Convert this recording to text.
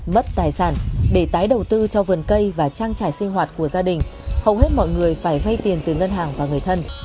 mất tài sản để tái đầu tư cho vườn cây và trang trải sinh hoạt của gia đình hầu hết mọi người phải vay tiền từ ngân hàng và người thân